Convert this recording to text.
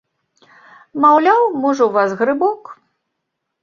Маўляў, можа, у вас грыбок.